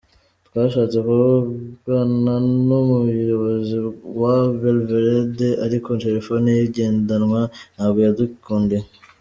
Twashatse kuvugana n’umuyobozi wa Belvedere ariko telefoni ye igendanwa ntabwo yadukundiye.